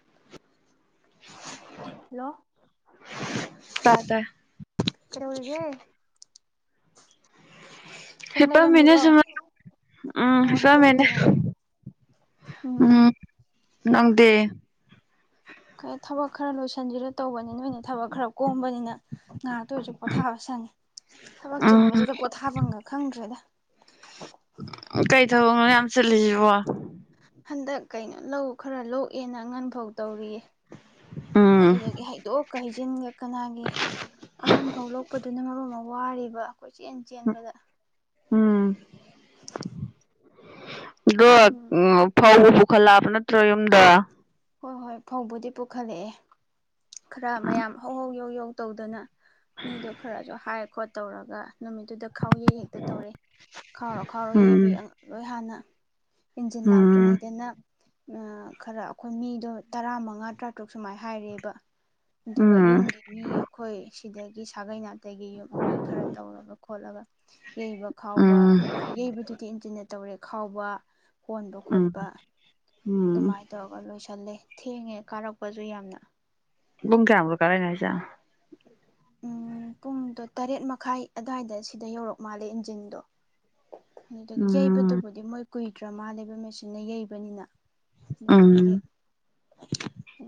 [inaudible] Hello! ꯇꯥꯗ ꯀꯔ ꯎꯔꯒꯦ ꯁꯨꯝ ꯍꯤꯄꯝꯃꯤꯅꯦ ꯂꯩꯔꯝꯃꯤꯔꯣ ꯁꯃ ꯎꯝ ꯑꯣ ꯍꯤꯄꯝꯃꯤꯅꯦ ꯍꯤꯞꯄꯝꯃꯤꯔꯣ ꯎꯝ ꯅꯪꯗꯦ ꯊꯕꯛ ꯈꯔ ꯂꯣꯏꯁꯤꯟꯁꯤꯔ ꯇꯧꯕꯅꯤ ꯅꯣꯏꯅ ꯊꯕꯛ ꯈꯔ ꯀꯣꯝꯕꯅꯤꯅ ꯉꯥꯏꯍꯥꯛꯇ ꯑꯣꯏꯔꯁꯨ ꯄꯣꯊꯥꯕ ꯁꯪꯉꯦ ꯊꯕꯛ ꯎꯝ ꯆꯤꯟꯕꯁꯤꯗ ꯄꯣꯊꯥꯐꯝꯒ ꯈꯪꯗ꯭ꯔꯦꯗ ꯊꯑꯣꯅ ꯌꯥꯝ ꯆꯠꯂꯤꯁꯤꯕꯣ ꯍꯟꯗꯛ ꯀꯩꯅꯣ ꯂꯧ ꯈꯔ ꯂꯣꯛꯑꯦꯅ ꯑꯉꯥꯡꯐꯧ ꯇꯧꯔꯤꯌꯦ ꯎꯝ ꯑꯗꯨꯗꯒꯤ ꯍꯩꯗꯣꯛꯀ ꯆ ꯀꯅꯥꯒꯤ ꯑꯉꯟ ꯐꯥꯎ ꯂꯣꯛꯄ ꯑꯗꯨꯅ ꯃꯔꯨꯞ ꯑꯃ ꯋꯥꯔꯤꯕ ꯀꯣꯏꯆꯦꯟ ꯆꯦꯟꯕꯗ ꯎ ꯎꯝ ꯠ ꯎꯝ ꯐ ꯈꯣꯏꯂꯥꯞꯄ ꯅꯠꯇ꯭ꯔꯣ ꯌꯨꯝꯗ ꯍꯣꯏ ꯍꯣꯏ ꯐꯧꯕꯗꯤ ꯄꯨꯈꯠꯂꯛꯑꯦ ꯈꯔ ꯃꯌꯥꯝ ꯍꯧꯍꯧ ꯌꯧ ꯌꯧ ꯇꯧꯗꯅ ꯃꯤꯗꯣ ꯈꯔꯥꯖꯣ ꯍꯥꯏ ꯈꯣꯠ ꯇꯧꯔꯒ ꯅꯨꯃꯤꯠꯇꯨꯗ ꯈꯥꯎ ꯌꯩ ꯍꯦꯛꯇ ꯇꯧꯔꯦ ꯈꯥꯎꯔ ꯈꯥꯎꯔꯣ ꯌꯩꯕꯤ ꯎꯝ ꯂꯣꯏ ꯍꯥꯟꯅ ꯏꯟꯖꯤꯟ ꯎꯝ ꯎꯝ ꯂꯥꯛꯇ꯭ꯔꯤꯉꯩꯗꯅ ꯑ ꯈꯔ ꯑꯩꯈꯣꯏ ꯃꯤꯗꯣ ꯇꯔꯥ ꯃꯉꯥ ꯇꯔꯥꯇꯔꯨꯛ ꯁꯨꯃꯥꯏ ꯍꯥꯏꯔꯦꯕ ꯑꯗꯨꯒ ꯌꯨꯝꯒꯤ ꯃꯤ ꯑꯩꯈꯣꯏ ꯁꯤꯗꯒꯤ ꯁꯥꯒꯩ ꯅꯥ ꯑꯗꯒꯤ ꯃꯤ ꯈꯔ ꯇꯧꯔꯒ ꯈꯣꯠꯂꯒ ꯌꯩꯕ ꯈꯥꯎꯕ ꯎꯝ ꯌꯩꯕꯗꯨꯗꯤ ꯏꯟꯇꯔꯅꯦꯠ ꯇꯧꯔꯦ ꯈꯥꯎꯕ ꯀꯣꯟꯕ ꯎꯝ ꯈꯣꯠꯄ ꯎꯝ ꯑꯗꯨꯃꯥꯏꯅ ꯇꯧꯔꯒ ꯂꯣꯏꯁꯜꯂꯦ ꯊꯦꯡꯉꯦ ꯀꯥꯔꯛꯄꯁꯨ ꯌꯥꯝꯅ ꯨꯝ ꯀꯦ ꯌꯥꯝꯔꯣ ꯀꯔꯦꯅꯁ ꯎꯝ ꯄꯨꯡꯗꯣ ꯇꯔꯦꯠ ꯃꯈꯥꯏ ꯑꯋꯥꯏꯗ ꯁꯤꯗ ꯌꯧꯔꯛ ꯃꯥꯜꯂꯦ ꯏꯟꯖꯤꯟꯗꯣ ꯑꯗꯨꯗ ꯎꯝ ꯌꯩꯕꯗꯨꯕꯨꯗꯤ ꯃꯣꯏ ꯀꯨꯏꯗ꯭ꯔ ꯃꯥ ꯂꯩꯕ ꯃꯦꯆꯤꯟꯅ ꯌꯩꯕꯅꯤꯅ ꯎꯝ ꯑꯗꯨꯗꯒꯤ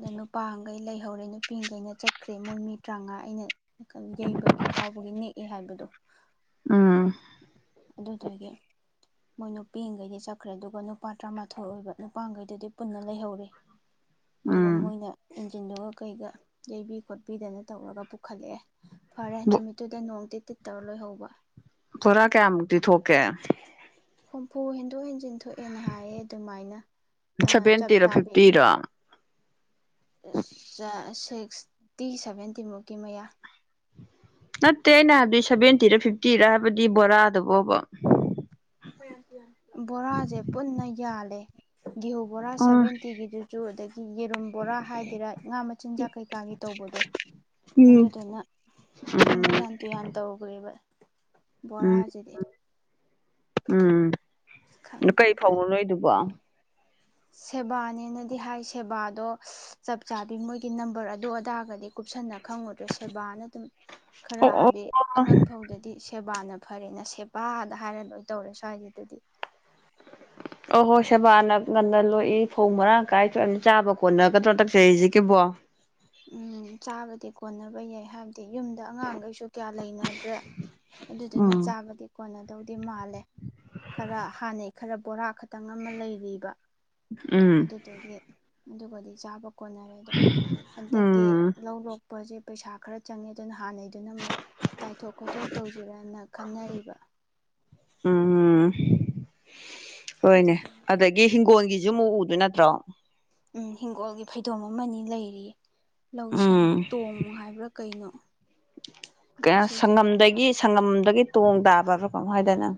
ꯑ ꯅꯨꯄꯥ ꯈꯩ ꯂꯩꯍꯧꯔꯦ ꯅꯨꯄꯤꯈꯩꯅ ꯆꯠꯈ꯭ꯔꯦ ꯃꯣꯏ ꯃꯤ ꯇꯔꯥꯃꯉꯥ ꯑꯩꯅ ꯜ ꯌꯩꯕꯒꯤ ꯈꯥꯎꯕꯒꯤ ꯅꯦꯛ ꯑꯦ ꯍꯥꯏꯕꯗꯣ ꯎꯝ ꯑꯗꯨ ꯇꯔꯒꯒꯤ ꯃꯣꯏ ꯅꯨꯄꯤꯈꯩꯗꯤ ꯆꯠꯈ꯭ꯔꯦ ꯑꯗꯨꯒ ꯅꯨꯄꯥ ꯇꯔꯥꯃꯥꯊꯣꯏ ꯑꯣꯏꯕ ꯅꯨꯄꯥꯈꯩꯗꯨꯗꯤ ꯄꯨꯟꯅ ꯂꯩꯍꯧꯔꯤꯦ ꯑꯗꯨꯒ ꯎꯝ ꯃꯣꯏꯅ ꯇꯤꯟꯗꯨꯒ ꯀꯩꯒ ꯌꯩꯕꯤ ꯈꯣꯠꯄꯤꯗꯅ ꯇꯧꯔꯒ ꯄꯨꯈꯠꯂꯛꯑꯦ ꯐꯔꯦ ꯅꯨꯃꯤꯠꯇꯨꯗ ꯅꯣꯡꯗꯤ ꯇꯤꯠ ꯇꯧꯔ ꯂꯣꯏꯍꯧꯕ ꯊꯣꯛꯔ ꯀꯌꯥꯃꯨꯛꯗꯤ ꯊꯣꯛꯀꯦ ꯍꯨꯝꯐꯨ ꯍꯦꯟꯤꯟꯗꯣ ꯍꯦꯟꯖꯤꯤꯟꯗꯨ ꯊꯣꯛꯑꯦꯅ ꯍꯥꯏꯌꯦ ꯑꯗꯨꯃꯥꯏꯅ ꯆꯞ ꯁꯚꯦꯟꯇꯤꯔꯣ ꯆꯥꯕꯤ ꯐꯤꯐꯇꯤꯔꯣ ꯆꯁ ꯁꯤꯛꯁꯇꯤ ꯁꯚꯦꯟꯇꯤꯃꯨꯛꯀꯤ ꯃꯌꯥ ꯅꯠꯇꯦ ꯑꯩꯅ ꯍꯥꯏꯕꯗꯤ ꯁꯚꯦꯟꯇꯤꯔ ꯐꯤꯐꯇꯤꯔ ꯍꯥꯏꯕꯗꯤ ꯕꯣꯔꯥꯗꯕꯣꯕ ꯕꯣꯔꯥꯁꯦ ꯄꯨꯟꯅ ꯌꯥꯜꯂꯦ [inaudible] ꯒꯤꯍꯧ ꯕꯣꯔꯥ ꯎꯝ ꯁꯚꯦꯟꯇꯤꯒꯤꯗꯨꯁꯨ ꯑꯗꯒꯤ ꯌꯦꯔꯨꯝ ꯕꯣꯔꯥ ꯍꯥꯏꯗꯦꯔ ꯉꯥ ꯃꯆꯤꯟꯖꯥꯛ ꯀꯩꯀꯥꯒꯤ ꯇꯧꯕꯗꯣ ꯎꯝ ꯑꯗꯨꯗꯨꯅ ꯃꯌꯥꯟ ꯇꯨꯌꯥꯟ ꯇꯧꯈ꯭ꯔꯦꯕ ꯎꯝ ꯎꯝ ꯕꯣꯔꯥꯖꯤꯗꯤ ꯎꯝ ꯑ ꯀꯩ ꯈꯪꯗ꯭ꯔꯦꯗ ꯐꯧꯔꯔꯣꯏꯗꯨꯕꯣ ꯁꯦꯕꯥꯅꯦꯅꯗꯤ ꯍꯥꯏ ꯁꯦꯕꯥꯗꯣ ꯆꯞ ꯆꯥꯕꯤ ꯃꯣꯏꯒꯤ ꯅꯝꯕꯔ ꯑꯗꯨ ꯑꯗꯥꯔꯒꯗꯤ ꯀꯨꯞꯁꯟꯅ ꯈꯪꯉꯨꯗ꯭ꯔꯦ ꯁꯦꯕꯥꯅ ꯑꯗꯨꯝ ꯈꯔ ꯑꯣ ꯍꯥꯏꯕꯤꯗꯤ ꯑꯣ ꯑꯉꯟ ꯐꯥꯎꯗꯗꯤ ꯁꯦꯕꯥꯅ ꯐꯔꯦꯅ ꯁꯦꯄꯗ ꯍꯥꯏꯔ ꯂꯣꯏ ꯇꯧꯔꯦ ꯁ꯭ꯋꯥꯏꯁꯦ ꯑꯗꯨꯗꯤ ꯑꯍꯣꯏ ꯁꯦꯕꯥꯅ ꯉꯟꯅ ꯂꯣꯛꯏ ꯐꯧ ꯃꯔꯥꯡ ꯀꯥꯏ ꯊꯣꯛ ꯆꯥꯕ ꯀꯣꯟꯅꯒꯗ꯭ꯔꯣ ꯇꯛꯆꯔꯤꯁꯤ ꯀꯕꯣ ꯎꯝ ꯆꯥꯕꯗꯤ ꯀꯣꯟꯅꯕ ꯌꯥꯏ ꯍꯥꯏꯕ ꯌꯨꯝꯗ ꯑꯉꯥꯡꯈꯩꯁꯨ ꯀꯌꯥ ꯂꯩꯅꯗ꯭ꯔꯦ ꯑꯗꯨꯗꯨꯅ ꯎꯝ ꯆꯥꯕꯗꯤ ꯀꯣꯟꯅ ꯇꯧꯗꯤ ꯃꯥꯜꯂꯦ ꯈꯔ ꯍꯥꯟꯅꯩ ꯈꯔ ꯕꯣꯔꯥ ꯈꯇꯪ ꯑꯃ ꯂꯩꯔꯤꯕ ꯎꯝ ꯑꯗꯨꯗꯨꯗꯒꯤ ꯑꯗꯨꯒꯗꯤ ꯆꯥꯕ ꯀꯣꯟꯅꯔꯦ ꯑꯗꯣ [inaudible] ꯍꯟꯗꯛꯀꯤ ꯂꯧ ꯂꯣꯛꯄꯁꯦ ꯄꯩꯁꯥ ꯈꯔ ꯆꯪꯉꯦ ꯑꯗꯨꯅ ꯍꯥꯟꯅꯩꯗꯨꯅ ꯑꯃꯨꯛ ꯇꯥꯏꯊꯣꯛ ꯈꯣꯠꯇꯣꯛ ꯇꯧꯁꯤꯔꯅ ꯈꯟꯅꯔꯤꯕ ꯑ ꯍꯣꯏꯅꯦ ꯑꯗꯨꯗ ꯑꯗꯒꯤ ꯍꯤꯡꯒꯣꯜꯒꯤ ꯑꯃꯨꯛ ꯎꯗꯣꯏ ꯅꯠꯇ꯭ꯔꯣ ꯎꯝ ꯍꯤꯡꯒꯣꯜꯒꯤ ꯐꯩꯗꯣꯝ ꯑꯃꯅꯤ ꯂꯩꯔꯤꯌꯦ ꯂꯧꯁꯪ ꯎꯝ ꯇꯣꯡꯉꯨ ꯍꯥꯏꯕ꯭ꯔꯥ ꯀꯩꯅꯣ ꯑꯁꯤꯁꯤꯗ ꯁꯪꯉꯝꯗꯒꯤ ꯁꯪꯒꯝ ꯑꯗꯨꯒꯤ ꯇꯣꯡ ꯇꯥꯕꯕ꯭ꯔꯥ ꯀꯃ ꯍꯥꯏꯗꯅꯪ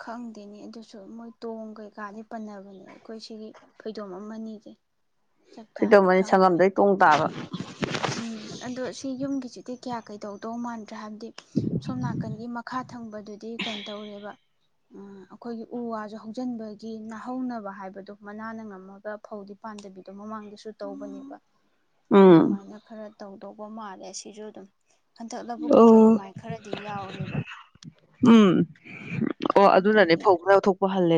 ꯈꯪꯗꯦꯅꯤ ꯑꯗꯨꯁꯨ ꯃꯣꯏ ꯇꯣꯡ ꯀꯩꯀꯥꯗꯤ ꯄꯟꯅꯕꯅꯦ ꯑꯩꯈꯣꯏ ꯁꯤꯒꯤ ꯐꯩꯗꯣꯝ ꯑꯃꯅꯤꯁꯦ ꯆꯞ ꯆꯥꯕꯤ ꯐꯩꯇꯧꯃꯅꯤ ꯈꯪꯗ꯭ꯔꯦ ꯁꯪꯒꯝꯗꯩ ꯇꯣꯡ ꯇꯥꯕ ꯎꯝ ꯑꯗꯣ ꯁꯤ ꯌꯨꯝꯒꯤꯁꯤꯗꯤ ꯀꯌꯥ ꯀꯩꯗꯧꯗꯧ ꯃꯥꯥꯟꯕꯦ ꯍꯥꯏꯕꯗꯤ ꯁꯣꯝ ꯅꯥꯀꯟꯒꯤ ꯥ ꯊꯪꯕꯗꯨꯗꯤ ꯀꯩꯅ ꯇꯧꯔꯦꯕ ꯑꯩꯈꯣꯏꯒꯤ ꯎ ꯋꯥꯁꯨ ꯍꯧꯖꯤꯟꯕꯒꯤ ꯅꯥꯍꯧꯅꯕ ꯍꯥꯏꯕꯗꯣ ꯃꯅꯥꯅ ꯉꯝꯃꯒ ꯐꯧꯗꯤ ꯄꯥꯝꯗꯕꯤꯗꯣ ꯃꯃꯥꯡꯗ ꯁꯨ ꯇꯧꯕꯅꯦꯕ ꯎꯝ ꯑꯗꯨꯃꯥꯏꯅ ꯈꯔ ꯇꯧꯗꯧꯕ ꯃꯥꯜꯂꯦ ꯁꯤꯁꯨ ꯑꯗꯨꯝ ꯍꯟꯗꯛ ꯂꯧꯕꯨꯛꯀꯤꯁꯨ ꯑꯣ ꯑꯗꯨꯃꯥꯏ ꯈꯔꯗꯤ ꯌꯥꯎꯔꯦꯕ ꯎꯝ ꯑꯣ ꯑꯗꯨꯅꯅꯦ ꯐꯧ ꯂꯧꯊꯣꯛꯄ ꯍꯜꯂꯦ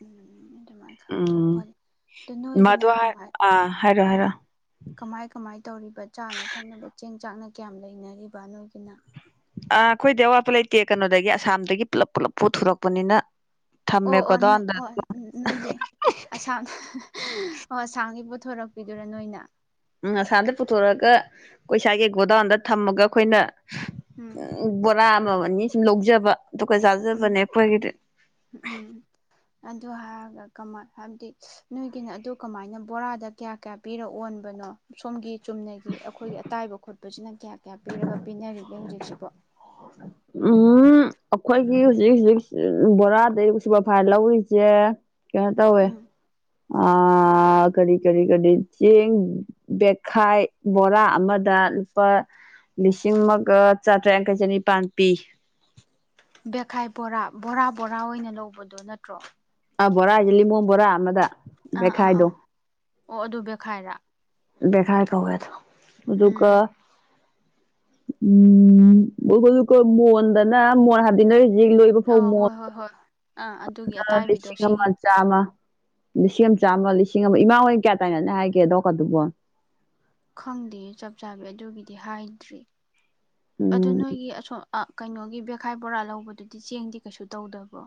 ꯎꯝ ꯎꯝ ꯑꯗꯨꯃꯥꯏꯅ ꯈꯔ ꯎꯝ ꯊꯣꯛꯄꯅꯤ ꯑ ꯅꯣꯏꯒꯤꯅ ꯃꯗꯨ ꯍꯥꯏ ꯀꯃꯥꯏ ꯑꯥ ꯍꯥꯏꯔꯣ ꯎꯝ ꯍꯥꯏꯔꯣ ꯀꯃꯥꯏ ꯀꯃꯥꯏ ꯇꯧꯔꯤꯕ ꯆꯥꯅ ꯊꯛꯅꯕ ꯆꯦꯡ ꯆꯥꯛꯅ ꯀꯌꯥꯝ ꯂꯩꯅꯔꯤꯕ ꯅꯣꯏꯒꯤ ꯑꯥ ꯑꯩꯈꯣꯏꯗꯤ ꯑꯋꯥꯠꯄ ꯂꯩꯇꯦ ꯀꯩꯅꯣꯗꯒꯤ ꯑꯁꯥꯝꯗꯒꯤ ꯄꯨꯂꯞ ꯄꯨꯂꯞ ꯄꯨꯊꯣꯔꯛꯄꯅꯤꯅ ꯊꯝꯃꯦ ꯑꯣ ꯑꯣ ꯅꯣꯏ ꯒꯣꯗꯥꯎꯟꯗ ꯑꯣ ꯅꯣꯏꯒꯤ ꯑꯁꯥꯝ ꯑꯣ ꯑꯁꯥꯝꯒꯤ ꯊꯣꯔꯛꯄꯤꯗꯨꯔꯥ ꯅꯣꯏꯅ ꯎꯝ ꯑꯁꯥꯝꯗ ꯄꯨꯊꯣꯔꯛꯑꯒ ꯑꯩꯈꯣꯏꯁꯥꯏꯒꯤ ꯒꯣꯗꯥꯎꯟꯗ ꯊꯝꯃꯒ ꯑꯩꯈꯣꯏꯅ ꯎꯝ ꯕꯣꯔꯥ ꯑꯃꯥꯃꯝ ꯑꯅꯤꯅꯤ ꯁꯨꯝ ꯂꯧꯖꯕ ꯗꯨꯒ ꯆꯥꯖꯕꯅꯦ ꯈꯣꯏꯒꯤꯗꯤ ꯎꯝ ꯎꯝ ꯑꯗꯨ ꯍꯥꯏꯔꯒ ꯀꯃꯥꯏ ꯍꯥꯏꯕꯗꯤ ꯅꯣꯏꯒꯤꯅ ꯑꯗꯨ ꯀꯃꯥꯏꯅ ꯕꯣꯔꯥꯗ ꯀꯌꯥ ꯀꯌꯥ ꯄꯤꯔ ꯑꯣꯟꯕꯅꯣ ꯁꯣꯝꯒꯤ ꯆꯨꯝꯅꯒꯤ ꯑꯩꯈꯣꯏꯒꯤ ꯑꯇꯥꯏꯕ ꯈꯣꯠ ꯁꯤꯅ ꯀꯌꯥ ꯀꯌꯥ ꯄꯤꯔꯒ ꯄꯤꯅꯔꯤꯒꯦ ꯍꯧꯖꯤꯛꯁꯤꯕꯣ ꯎꯝ ꯑꯩꯈꯣꯏꯒꯤ ꯍꯧꯖꯤꯛ ꯍꯧꯖꯤꯛ ꯕꯣꯔꯥꯗꯩ ꯁꯨꯄꯔ ꯐꯥꯏꯟ ꯂꯧꯔꯤꯁꯦ ꯀꯩꯅꯣ ꯇꯧꯏ ꯎꯝ ꯀꯔꯤ ꯀꯔꯤ ꯀꯔꯤ ꯆꯦꯡ ꯕꯦꯛꯈꯥꯏ ꯕꯣꯔꯥ ꯑꯃꯗ ꯂꯨꯄꯥ ꯂꯤꯁꯤꯡ ꯑꯃꯒ ꯆꯥꯇ꯭ꯔꯦ ꯌꯥꯡꯈꯩ ꯆꯅꯤꯄꯥꯥꯟ ꯄꯤ ꯕꯦꯈꯥꯏ ꯕꯣꯔꯥ ꯕꯣꯔꯥ ꯕꯣꯔꯥ ꯑꯣꯏꯅ ꯂꯧꯕꯗꯣ ꯅꯠꯇ꯭ꯔꯣ ꯑ ꯕꯣꯔꯥ ꯍꯥꯏꯗꯤ ꯂꯤꯃꯣꯟ ꯕꯣꯔꯥ ꯑꯃꯗ ꯑꯥ ꯑꯥ ꯑꯥ ꯕꯦꯈꯥꯏꯗꯣ ꯑꯣ ꯑꯗꯨ ꯕꯦꯈꯥꯏꯔ ꯕꯦꯈꯥꯏ ꯀꯧꯏ ꯑꯗꯣ ꯑꯗꯨꯒ ꯎꯝ ꯃꯣꯟꯗꯅ ꯃꯣꯟ ꯍꯥꯏꯗꯤ ꯍꯧꯖꯤꯛ ꯂꯣꯛꯏꯕ ꯐꯥꯎ ꯑꯥ ꯃꯣꯟ ꯍꯣꯏ ꯍꯣꯏ ꯍꯣꯏ ꯑꯥ ꯑꯗꯨꯒꯤ ꯑꯇꯥꯏꯕꯤꯗꯣ ꯂꯤꯁꯤꯡ ꯑꯃ ꯁꯤꯒꯤ ꯆꯥꯝꯃ ꯂꯤꯁꯤꯡ ꯑꯃ ꯆꯥꯝꯃ ꯂꯤꯁꯤꯡ ꯑꯃ ꯏꯃꯥ ꯍꯣꯏ ꯑꯣꯏꯅ ꯀꯌꯥ ꯇꯥꯏꯅꯅꯤ ꯍꯥꯏꯒꯦ ꯑꯗꯣꯝ ꯅꯥꯀꯟꯗꯨꯕꯣ ꯈꯪꯗꯦ ꯆꯞ ꯆꯥꯕꯤ ꯑꯗꯨꯒꯤꯗꯤ ꯍꯥꯏꯗ꯭ꯔꯤ ꯑꯗꯨ ꯎꯝ ꯅꯣꯏꯒꯤ ꯑ ꯀꯩꯅꯣꯒꯤ ꯕꯦꯈꯥꯏ ꯕꯣꯔꯥ ꯂꯧꯕꯗꯨꯗꯤ ꯆꯦꯡꯗꯤ ꯀꯩꯁꯨ ꯇꯧꯗꯕ꯭ꯔꯣ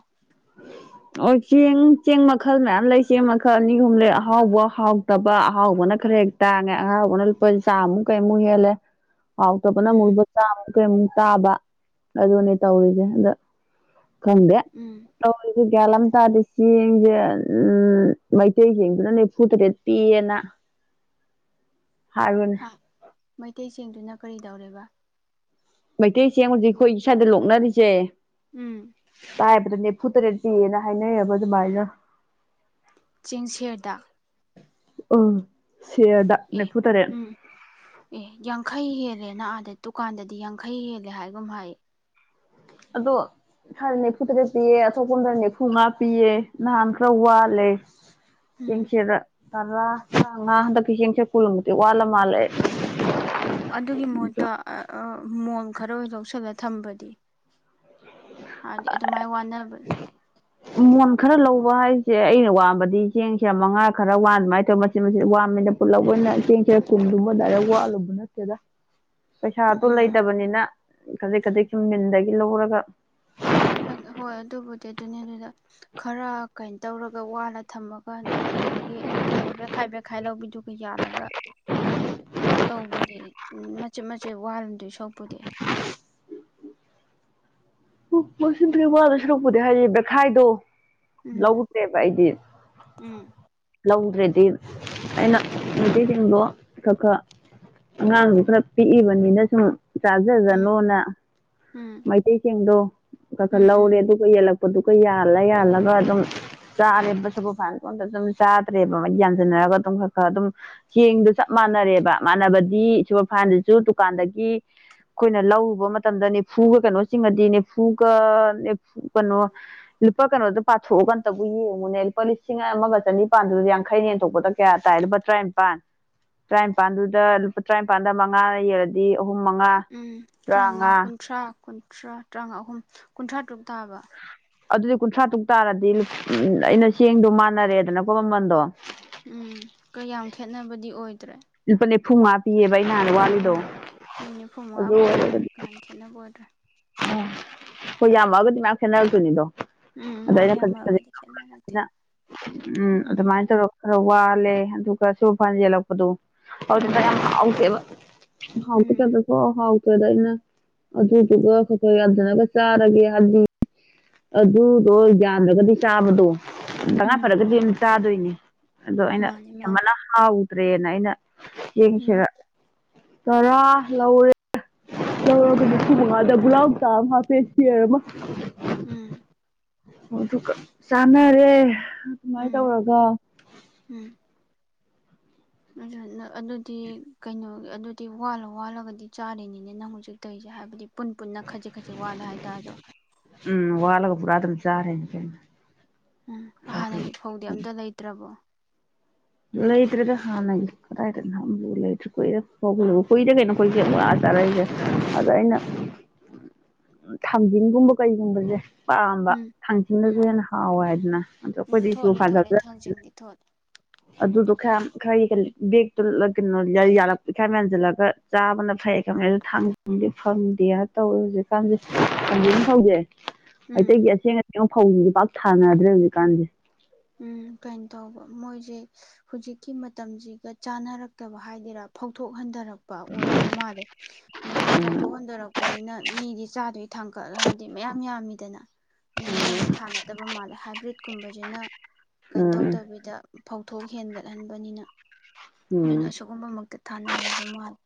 ꯑꯣ ꯆꯦꯡ ꯆꯦꯡ ꯃꯈꯜ ꯃꯌꯥꯝ ꯂꯩ ꯆꯦꯡ ꯃꯈꯜ ꯑꯅꯤ ꯑꯍꯨꯝ ꯂꯩ ꯑꯍꯥꯎꯕ ꯍꯥꯎꯇꯕ ꯑꯍꯥꯎꯕꯅ ꯈꯔ ꯍꯦꯛ ꯇꯥꯡꯉꯦ ꯑꯍꯥꯎꯕꯅ ꯂꯨꯄꯥ ꯆꯥꯃꯨꯛ ꯀꯩꯃꯨꯛ ꯍꯦꯜꯂꯦ ꯍꯥꯎꯇꯕ ꯎꯝ ꯑꯃꯨꯛ ꯆꯥꯝꯃꯨꯛ ꯀꯩꯃꯨꯛ ꯇꯥꯕ ꯑꯗꯨꯅꯤ ꯇꯧꯔꯤꯁꯦ ꯑꯗ ꯈꯪꯗꯦ ꯎꯝ ꯑꯗꯨꯖꯤ ꯒꯌ꯭ꯥꯟ ꯑꯃ ꯇꯥꯗ ꯆꯦꯡꯁꯦ ꯎꯝ ꯃꯩꯇꯩꯆꯦꯡꯗꯨꯅ ꯅꯤꯐꯨ ꯇꯔꯦꯠ ꯄꯤꯌꯦꯅ ꯍꯥꯏꯕꯅꯦ ꯍꯥ ꯃꯩꯇꯩꯆꯦꯡꯗꯨꯅ ꯀꯔꯤ ꯇꯧꯔꯦꯕ ꯃꯩꯇꯩꯆꯦꯡ ꯍꯧꯖꯤꯛ ꯑꯩꯈꯣꯏ ꯁ꯭ꯋꯥꯏꯗ ꯂꯣꯛꯅꯔꯤꯁꯦ ꯎꯝ ꯁꯥꯍꯦꯕ [unintelligible] ꯐꯇ꯭ꯔꯦꯠꯗꯤꯅ ꯍꯥꯏꯅꯩ ꯑꯕ ꯑꯗꯨꯕꯥꯥꯏꯅ ꯆꯦꯡ ꯁꯔꯗ ꯑꯥ ꯁꯦꯔꯗ ꯑꯦ ꯅꯦꯞꯐꯨ ꯇꯔꯦ ꯎꯝ ꯑꯦ ꯌꯥꯡꯈꯩ ꯍꯦꯜꯂꯦ ꯅ ꯑꯥꯗ ꯗꯨꯀꯥꯟꯗꯗꯤ ꯌꯥꯡꯈꯩ ꯍꯦꯜꯂꯦ ꯍꯥꯏꯒꯨꯝ ꯍꯥꯏ ꯑꯗꯣ ꯈꯔ ꯅꯤꯐꯨ ꯇꯔꯦꯠ ꯄꯤꯌꯦ ꯑꯇꯣꯞꯄꯟꯗ ꯅꯤꯐꯨꯃꯉꯥ ꯄꯤꯑ ꯅꯍꯥꯟ ꯈꯔ ꯋꯥꯠꯂꯦ ꯎꯝ ꯁꯤꯗ ꯇꯉꯟꯗ ꯍꯟꯗꯛ ꯆꯦꯡ ꯆꯦꯔ ꯀꯨꯜꯃꯛꯇꯦ ꯋꯥꯂ ꯃꯥꯂꯦ ꯑꯗꯨꯒꯤ ꯃꯍꯨꯠꯇ ꯃꯣꯟ ꯈꯔ ꯂꯧꯁꯜꯂ ꯊꯝꯕꯗꯤ ꯍꯥꯏꯗꯤ ꯑꯗꯨꯃꯥꯏ ꯋꯥ ꯕ ꯃꯣꯟ ꯈꯔ ꯂꯧꯕ ꯍꯥꯏꯁꯦ ꯑꯩꯅ ꯋꯥꯡꯝꯕꯗꯤ ꯆꯦꯡꯁ꯭ꯔꯦ ꯃꯉꯥ ꯈꯔ ꯋꯥꯟ ꯑꯗꯨꯃꯥꯏꯅ ꯇꯧꯔꯦ ꯃꯆꯤꯠ ꯃꯆꯤꯠ ꯋꯥꯟꯕꯅꯤꯅ ꯄꯨꯜꯂꯞ ꯑꯣꯏꯅ ꯆꯦꯡꯁꯔꯦ ꯀꯨꯟꯃꯨꯛ ꯗꯥꯏꯔꯦꯛ ꯋꯥꯠꯂꯨꯕ ꯅꯠꯇꯦꯗ ꯄꯩꯁꯥꯗꯣ ꯎꯝ ꯂꯩꯇꯕꯅꯤꯅ ꯈꯖꯤꯛ ꯈꯖꯤꯛ ꯁꯨꯝ ꯃꯤꯟꯗꯒꯤ ꯂꯧꯔꯒ ꯍꯣꯏ ꯑꯗꯨꯕꯨꯗꯤ ꯑꯗꯨꯅꯤ ꯑꯗꯨꯗ ꯈꯔ ꯀꯩꯅꯣ ꯇꯧꯔꯒ ꯋꯥꯂ ꯊꯝꯃꯒ ꯀꯩꯅꯣꯒꯤ ꯀ ꯕꯦꯠꯈꯥꯏ ꯕꯦꯠꯈꯥꯏ ꯂꯧꯕꯤꯗꯨꯒ ꯌꯥꯜꯂꯒ ꯇꯧꯕꯗꯤ ꯎꯝ ꯃꯆꯤꯠ ꯃꯆꯤꯠ ꯋꯥꯜꯗꯣꯏ ꯁꯔꯨꯛ ꯁꯔꯨꯛꯄꯨꯗꯤ ꯃꯆꯤꯠ ꯃꯆꯤꯠ ꯋꯥꯗꯣꯏ ꯁꯔꯨꯛꯄꯨꯗꯤ ꯍꯥꯏꯌꯦ ꯕꯦꯈꯥꯏꯗꯣ ꯎꯝ ꯂꯧꯗ꯭ꯔꯦꯕ ꯑꯩꯗꯤ ꯎꯝ ꯂꯧ ꯔꯦꯗꯤ ꯑꯩꯅ ꯃꯇꯩꯆꯦꯡꯗꯣ ꯈꯔ ꯈꯔ ꯑꯉꯥꯡꯁꯨ ꯈꯔ ꯄꯤꯛꯏꯕꯅꯤꯅ ꯁꯨꯝ ꯎꯝ ꯆꯥꯖꯖꯅꯣꯅ ꯎꯝ ꯃꯩꯇꯩ ꯆꯦꯡꯗꯣ ꯈꯔ ꯈꯔ ꯎꯝ ꯂꯧꯔꯦ ꯎꯝ ꯑꯗꯨꯒ ꯌꯦꯜꯂꯛꯄ ꯄꯗꯨꯒ ꯌꯥꯜꯂ ꯌꯥꯜꯂꯒ ꯑꯗꯨꯝ ꯆꯥꯔꯦ ꯁꯨꯄꯔ ꯐꯥꯏꯟꯗꯨꯁꯨ ꯑꯗꯨꯝ ꯆꯥꯗ꯭ꯔꯦꯕ ꯃ ꯌꯥꯟꯁꯤꯟꯅꯔꯒ ꯑꯗꯨꯝ ꯈꯔ ꯈꯔ ꯑꯗꯨꯝ ꯆꯦꯡꯗꯣ ꯆꯞ ꯃꯥꯟꯅꯔꯦꯕ ꯃꯥꯟꯅꯕꯗꯤ ꯁꯄꯔ ꯐꯥꯏꯁꯤꯁꯨ ꯗꯨꯀꯥꯟꯗꯒꯤ ꯑꯩꯈꯣꯏꯅ ꯂꯧꯔꯕ ꯃꯇꯝꯗ ꯅꯤꯐꯨꯒ ꯀꯩꯅꯣ ꯆꯤꯡꯉꯗꯤ ꯅꯤꯐꯨꯒꯨ ꯀꯩꯅꯣ ꯂꯨꯄꯥ ꯀꯩꯅꯣꯗ ꯄꯥꯊꯣꯛꯑꯒꯥꯟꯇꯕꯨ ꯌꯦꯡꯉꯨꯅꯦ ꯂꯨꯄꯥ ꯂꯤꯁꯤꯡ ꯑꯃꯒ ꯆꯅꯤꯄꯥꯥꯟꯗꯨ ꯌꯥꯡꯈꯩꯩꯅ ꯌꯦꯟꯊꯣꯛꯄꯗ ꯀꯌꯥ ꯇꯥꯏ ꯂꯨꯄꯥ ꯇꯔꯥꯅꯤꯄꯥꯟ ꯇꯔꯥꯅꯤꯄꯥꯟꯗꯨꯗ ꯂꯨꯄꯥ ꯇꯔꯥꯅꯤꯄꯥꯜꯗ ꯃꯉꯥ ꯌꯦꯜꯂꯗꯤ ꯑꯍꯨꯝ ꯃꯉꯥ ꯎꯝ ꯇꯔꯥꯉꯥ ꯇꯔꯥꯃꯉꯥ ꯀꯨꯟꯊ꯭ꯔꯥ ꯀꯨꯟ꯭ꯔꯥ ꯀꯨꯟꯊꯥ ꯇꯥ ꯑꯍꯨꯝ ꯀꯨꯟꯊ꯭ꯔꯥ ꯇꯔꯨꯛ ꯇꯥꯕ ꯑꯗꯨꯗꯤ ꯀꯨꯟꯊ꯭ꯔꯥ ꯇꯨꯛ ꯇꯥꯔꯗꯤ ꯎꯝ ꯑꯩꯅ ꯆꯦꯡꯗꯣ ꯃꯥꯟꯅꯔꯦꯗꯅꯀꯣ ꯃꯃꯟꯗꯣ ꯎꯝ ꯀꯌꯥꯝ ꯈꯦꯠꯅꯕꯗꯤ ꯑꯣꯏꯗ꯭ꯔꯦ ꯂꯨꯄ ꯅꯤꯐꯨ ꯃꯡꯉꯥ ꯎꯝ ꯎꯝ ꯎꯝ ꯅꯤꯐꯨ ꯑꯗꯨ ꯃꯉꯥ ꯀꯨꯟꯊ꯭ꯔꯥ ꯇꯔꯨꯛ ꯀꯥ ꯍꯦꯟꯅ ꯈꯦꯠꯅꯕ ꯑꯣꯏꯗ꯭ꯔꯦ ꯑꯣꯝ ꯍꯣꯏ ꯌꯥꯝꯃꯛꯑꯒꯗꯤ ꯃꯌꯥꯝ ꯈꯦꯠꯅꯔꯛꯇꯣꯏꯅꯤꯗꯣ ꯎꯝ ꯃꯥꯅꯤ ꯌꯝꯃꯛ ꯑꯒꯗꯤꯅ ꯑꯗꯨꯅ ꯎꯝ ꯑꯗꯨꯃꯥꯏꯅ ꯇꯧꯔꯒ ꯈꯔ ꯋꯥꯔ ꯑꯗꯨꯒ ꯁꯨꯄꯔ ꯐꯥꯏꯟ ꯌꯦꯜꯂꯛꯄꯗꯣ ꯎꯝ ꯍꯧꯗꯦꯕ ꯍꯥꯎ ꯎꯝ ꯇꯗꯕꯣ ꯄꯨꯔ ꯍꯥꯎ ꯑꯩꯈꯣꯏꯗ ꯑꯩꯅ ꯑꯗꯨꯗꯨꯒ ꯑꯩꯈꯣꯏ ꯑꯗꯨꯅꯒ ꯆꯥꯔꯒꯦꯗꯤ ꯑꯗꯨꯗꯣ ꯌꯥꯟꯗ꯭ꯔꯒꯗꯤ ꯆꯥꯕꯗꯣ ꯇꯉꯥꯏ ꯎꯝ ꯐꯔꯒꯗꯤ ꯇꯥꯗꯣꯏꯅꯦ ꯑꯗꯣ ꯑꯩꯅ ꯃꯥꯅꯤ ꯃꯥꯅꯤ ꯑꯃꯅ ꯍꯥꯎ ꯇ꯭ꯔꯦꯟ ꯑꯩꯅ ꯎꯝ ꯌꯦꯡꯁꯤꯔ ꯇꯔꯥ ꯂꯧꯔꯦ ꯨ ꯎꯝ ꯃꯉꯗ ꯨꯂꯕ ꯀꯝ ꯍꯥ ꯄꯦꯁꯤ ꯑꯣꯏꯔꯃ ꯎꯝ ꯍ ꯑꯃꯃꯦ ꯔꯦ ꯑꯗꯨꯃꯥꯏꯅ ꯎꯝ ꯇꯧꯔꯒ ꯑꯗꯨ ꯑꯗꯨꯗꯤ ꯀꯩꯅꯣꯒꯤ ꯑꯗꯨꯗꯤ ꯋꯥꯜꯂ ꯋꯥꯜꯂꯒꯗꯤ ꯆꯥꯔꯤꯅꯤꯅꯦ ꯅꯪ ꯍꯧꯖꯤꯛ ꯇꯧꯔꯤꯁꯦ ꯍꯥꯏꯕꯗꯤ ꯄꯨꯟ ꯄꯨꯟꯅ ꯈꯖꯤꯛ ꯈꯖꯤꯛ ꯋꯥꯠꯂꯦ ꯍꯥꯏꯇꯥꯥꯔꯁꯨ ꯎꯝ ꯋꯥꯂꯒ ꯄꯨ ꯑꯗꯨꯝ ꯆꯥꯔꯦ ꯀ ꯎꯝ ꯍꯥꯟꯅꯒꯤ ꯐꯧꯗꯤ ꯑꯝꯇ ꯂꯩꯇ꯭ꯔꯕꯣ ꯂꯩꯇ꯭ꯔꯦꯗ ꯍꯥꯟꯅꯒꯤ ꯀꯗꯥꯏꯗ ꯅ ꯂꯩꯇ꯭ꯔ ꯀꯨꯏꯔ ꯐ ꯀꯨꯏꯔꯦ ꯀꯩꯅꯣ ꯀꯨꯏꯁꯦ ꯋꯥ ꯆꯥꯔꯛꯏꯁꯦ ꯑꯗꯣ ꯑꯩꯅ ꯊꯥꯡꯖꯤꯟꯒꯨꯝꯕ ꯀꯩꯒꯨꯝꯕꯁꯦ ꯄꯥꯝꯕ ꯎꯝ ꯊꯥꯡꯊꯤꯡꯗꯁꯨ ꯎꯝ ꯍꯦꯟꯅ ꯍꯥꯎꯋꯦ ꯍꯥꯏꯗꯅ ꯑꯗꯣ ꯎꯝ ꯑꯩꯈꯣꯏꯗꯤꯁꯨ ꯊꯣꯠꯂꯤ ꯊꯣꯠꯂꯤ ꯐꯖꯗ ꯊꯥꯡꯖꯤꯡꯗꯤ ꯊꯣꯠꯂꯤ ꯑꯗꯨꯗꯣ ꯈꯔ ꯈꯔ ꯕꯦꯛꯇꯨ ꯀꯩꯅꯣ ꯈꯔ ꯌꯥꯟꯁꯤꯜꯂꯒ ꯆꯥꯕꯅ ꯐꯩ ꯈꯪ ꯊꯥꯡꯗꯤ ꯐꯪꯗꯦꯅ ꯇꯧꯋꯦ ꯍꯧꯖꯤꯛꯀꯥꯟꯁ ꯍꯧꯖꯩ ꯎꯝ ꯑꯇꯩꯒꯤ ꯑꯁꯦꯡ ꯐꯧꯁꯤꯦ ꯄꯥꯛ ꯊꯥꯅꯗ꯭ꯔꯦ ꯍꯧꯖꯤꯛꯀꯥꯟꯁꯦ ꯎꯝ ꯀꯩꯅꯣ ꯇꯧꯕ ꯃꯣꯏꯁꯦ ꯍꯧꯖꯤꯛꯀꯤ ꯃꯇꯝꯁꯤꯒ ꯆꯥꯟꯅꯔꯛꯇꯕ ꯍꯥꯏꯗꯔꯥ ꯐꯥꯎꯊꯣꯛꯍꯟꯗꯔꯕ ꯄ ꯑꯣꯏꯗꯧ ꯃꯥꯜꯂꯦ ꯑꯗꯨꯅ ꯐꯥꯎꯊꯣꯛ ꯍꯟꯗꯣꯔꯛꯄꯅꯤꯅ ꯃꯤꯗꯤ ꯆꯥꯗꯣꯏ ꯊꯥꯡꯀꯠ ꯍꯥꯏꯗꯤ ꯃꯌꯥꯝ ꯌꯥꯝꯃꯤꯗꯅ ꯑꯗꯨꯅ ꯃꯣꯏꯁꯦ ꯊꯥꯅꯗꯕ ꯃꯥꯜꯂꯦ ꯍꯥꯏꯕ꯭ꯔꯤꯠꯀꯨꯝꯕꯁꯤꯅ ꯀꯩꯅꯣ ꯎꯝ ꯇꯧꯗꯕꯤꯗ ꯐꯧꯊꯣꯛ ꯍꯦꯟꯒꯠꯍꯟꯕꯅꯤꯅ ꯎꯝ ꯑꯗꯨꯅ ꯑꯁꯤꯒꯨꯝꯕ ꯃꯛꯇ ꯊꯥꯅꯔꯕ ꯃꯥꯂꯦ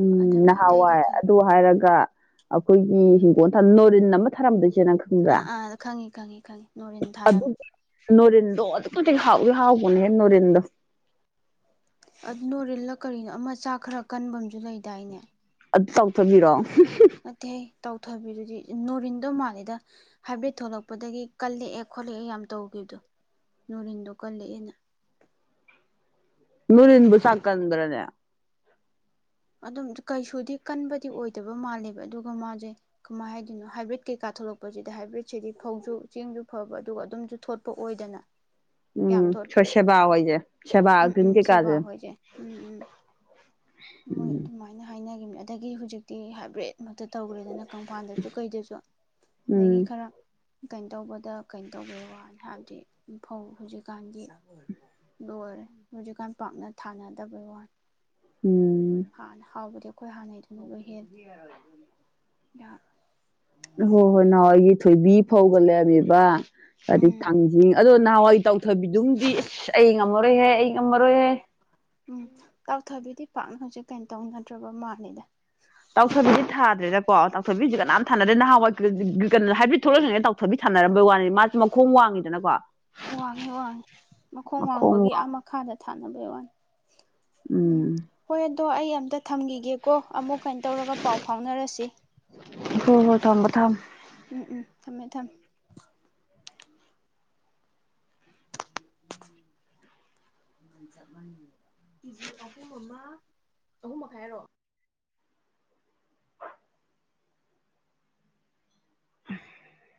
ꯎꯝ ꯅꯍꯥꯟꯋꯥꯏ ꯑꯗꯨ ꯍꯥꯏꯔꯒ ꯑꯩꯈꯣꯏꯒꯤ ꯍꯤꯡꯒꯣꯜ ꯅꯣꯔꯤꯟ ꯑꯃ ꯊꯥꯔꯝꯗꯣꯏ ꯑꯥ ꯑꯥ ꯈꯪꯉꯤ ꯈꯪꯉꯤ ꯈꯪꯉꯤ ꯅꯣꯔꯤꯦꯟ ꯊꯥꯔꯝꯃꯤ ꯇꯨ ꯍꯥꯎ ꯍꯥꯎꯅ ꯍꯦ ꯅꯔꯤꯗ ꯅꯣꯔꯤꯜꯂ ꯀꯔꯤꯅꯣ ꯑꯃ ꯆꯥꯛ ꯈꯔ ꯀꯟꯕꯝꯨ ꯂꯩꯗꯥꯏꯅꯦ ꯑꯗꯨ ꯇ ꯆꯥꯎꯊꯣꯛꯕꯤꯔꯣꯑꯣ ꯅꯠꯇꯦ ꯑꯩ ꯇꯧꯊꯕꯤꯗꯨꯗꯤ ꯅꯨꯣꯔꯤꯟꯗꯣ ꯃꯥꯜꯂꯦꯗ ꯍꯥꯏꯐꯦꯠ ꯊꯣꯛꯂꯛꯄꯗꯒꯤ ꯀꯜꯂꯛꯑꯦ ꯈꯣꯠꯂꯛꯑꯦ ꯌꯥꯝ ꯇꯧꯈꯤꯕꯗꯣ ꯅꯨꯣꯔꯤꯟꯗꯣ ꯀꯜꯂꯛꯑꯦꯅ ꯅꯔꯤ ꯏꯟꯕꯨ ꯁꯥꯀꯟ꯭ꯔꯅꯦ ꯑꯗꯨꯝ ꯀꯩꯁꯨꯗꯤ ꯀꯟꯕꯗꯤ ꯑꯣꯏꯗꯕ ꯃꯥꯜꯂꯦꯕ ꯑꯗꯨꯒ ꯃꯥꯁꯦ ꯀꯃꯥꯏꯅ ꯍꯥꯏꯗꯣꯏꯅꯣ ꯍꯥꯏꯕ꯭ꯔꯤꯠ ꯀꯩꯀꯥ ꯊꯣꯛꯂꯛꯄꯁꯤꯗ ꯍꯥꯏꯕ꯭ꯔꯤꯠꯁꯤꯗꯤ ꯐꯧꯁꯨ ꯆꯦꯡꯁꯨ ꯐꯕ ꯑꯗꯨꯒ ꯑꯗꯨꯝꯁꯨ ꯊꯣꯠꯄ ꯑꯣꯏꯗꯅ ꯌꯥꯝ ꯎꯝ ꯁ ꯊꯣꯠꯇ꯭ꯔꯁꯨ ꯁꯦꯕꯥ ꯑꯣꯏꯁꯦ ꯎꯝ ꯎꯝ ꯁꯦꯕꯥꯗꯤ ꯀꯥꯖꯦ ꯁꯦꯕꯥ ꯍꯣꯏꯁꯦ ꯎꯝ ꯎꯝ ꯃꯣꯏ ꯑꯗꯨꯃꯥꯏꯅ ꯍꯥꯏ ꯍꯥꯏꯅꯈꯤꯕꯅꯤ ꯑꯗꯒꯤ ꯍꯧꯖꯤꯛꯇꯤ ꯍꯥꯏꯕ꯭ꯔꯤꯠ ꯃꯛꯇ ꯇꯧꯈ꯭ꯔꯦꯗꯅ ꯀꯪꯐꯥꯜꯗꯁꯨ ꯀꯩꯗꯁꯨ ꯎꯝ ꯑꯗꯒꯤ ꯈꯔ ꯀꯩꯅꯣ ꯇꯧꯕꯗ ꯀꯩꯅꯣ ꯇꯧꯕꯩ ꯋꯥꯅꯤ ꯍꯥꯏꯕꯗꯤ ꯏꯐꯧ ꯍꯧꯖꯤꯛꯀꯥꯟꯒꯤ ꯂꯣꯏꯔꯦ ꯍꯧꯖꯤꯛꯀꯥꯟ ꯄꯥꯛꯅ ꯊꯥꯅꯗꯕꯩ ꯋꯥꯅꯤ ꯎꯝ ꯍ ꯍꯥꯎꯕꯗꯤꯑꯣ ꯑꯩꯈꯣꯏ ꯍꯥꯟꯅꯩꯗꯨꯃꯛ ꯑꯣꯏꯍꯦꯜꯜꯂꯤ ꯌꯥ ꯍꯣ ꯍꯣꯏ ꯅꯋꯥ ꯌꯦ ꯊ ꯕꯤ ꯐꯥꯎ ꯂꯦꯕꯤꯕ ꯍꯥꯏꯗꯤ ꯎꯝ ꯊꯥꯡꯖꯤꯡ ꯑꯗꯣ ꯅꯍꯥꯟꯋꯥꯏ ꯇꯧ ꯊꯣꯏꯕꯤꯗꯨꯝꯗꯤ ꯑꯁ ꯑꯩ ꯉꯝꯃꯔꯣꯏꯍꯦ ꯑꯩ ꯃꯔꯔꯌꯦꯦ ꯎꯝ ꯀꯥꯎꯊꯕꯤꯗꯤ ꯄꯥꯛꯅ ꯍꯧꯖꯤꯛ ꯀꯩꯅꯣ ꯇꯧꯅꯗ꯭ꯔꯕ ꯃꯥꯜꯜꯂꯤꯦꯗ ꯇꯥꯎꯊꯕꯤꯗꯤ ꯊꯥꯗ꯭ꯔꯦꯅꯀꯣ ꯇꯥꯎꯊꯕꯤꯁꯦ ꯀꯅꯥꯝ ꯊꯥꯅꯗꯦ ꯅꯍꯥꯟꯋꯥꯏ ꯀꯩꯅꯣ ꯍꯥꯏꯕꯤꯠ ꯊꯣꯛꯂꯛꯏꯩꯅ ꯇꯥꯎꯊꯕꯤ ꯊꯥꯅꯔꯝꯕꯒꯤ ꯋꯥꯅꯤ ꯃꯥꯁꯨ ꯃꯈꯣꯡ ꯋꯥꯡꯉꯤꯗꯅꯀꯣ ꯋꯥꯡꯉꯤ ꯋꯥꯡꯉꯤ ꯃꯈꯣꯡ ꯋꯥꯡꯕꯒꯤ ꯃꯈꯥꯗ ꯊꯅꯕꯦ ꯋꯥ ꯎꯝ ꯍꯣꯏ ꯣ ꯑꯩ ꯑꯝꯇ ꯊꯝꯈꯤꯒꯦꯀꯣ ꯑꯃꯨꯛ ꯀꯥꯏ ꯇꯧꯔꯒ ꯄꯥꯎ ꯐꯥꯎꯅꯔꯁꯤ ꯍꯣꯏ ꯍꯣꯏ ꯊꯝꯃꯣ ꯊꯝꯃꯣ ꯎꯝ ꯎꯝ ꯊꯝꯃꯦ ꯊꯝꯃꯦ [inaudible] ꯆꯕ ꯀꯦꯖꯤ ꯑꯍꯨꯝ ꯑꯃ ꯑꯍꯨꯝ ꯃꯈꯥꯏ ꯍꯥꯏꯔꯣ [inaudible]